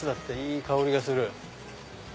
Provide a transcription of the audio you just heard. いい香りがする。